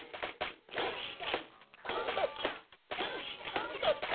こうなった？